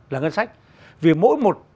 là ngân sách vì mỗi một